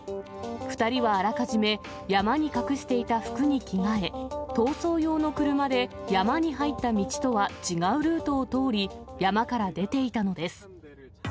２人はあらかじめ山に隠していた服に着替え、逃走用の車で山に入った道とは違うルートを通り、山から出ていたのです。